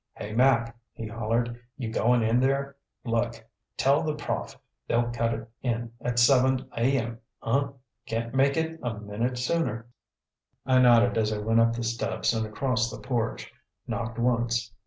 "Hey, Mac," he hollered, "you going in there? Look, tell the prof they'll cut it in at seven ayem, huh? Can't make it a minute sooner." I nodded as I went up the steps and across the porch; knocked once.